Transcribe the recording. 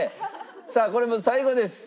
さあこれもう最後です。